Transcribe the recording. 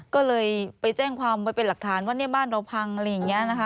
ก็เลยไปแจ้งความไว้เป็นหลักฐานว่าเนี่ยบ้านเราพังอะไรอย่างนี้นะคะ